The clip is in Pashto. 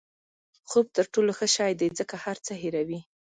خوب تر ټولو ښه شی دی ځکه هر څه هیروي.